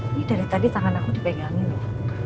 ini dari tadi tangan aku dipegangin loh